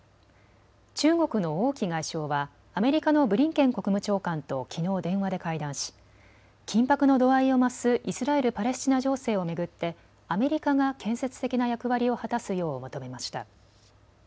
中国の王毅外相はアメリカのブリンケン国務長官ときのう電話で会談し緊迫の度合いを増すイスラエル・パレスチナ情勢を巡ってアメリカが建設的な役割を果たすよう求めました。